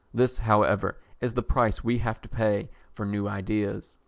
This however is the price we have to pay for new ideas.